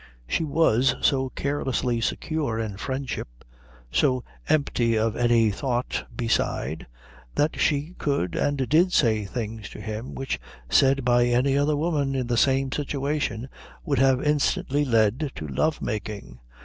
She was so carelessly secure in friendship, so empty of any thought beside, that she could and did say things to him which said by any other woman in the same situation would have instantly led to lovemaking.